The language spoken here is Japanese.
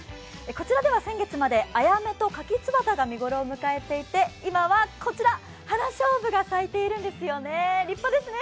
こちらでは先月まで、あやめとカキツバタが見頃を迎えていて、今はこちら、花しょうぶが咲いているんですよね立派ですね。